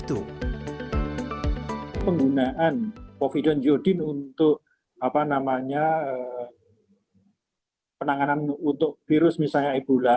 penggunaan povidon iodin untuk penanganan virus misalnya ebola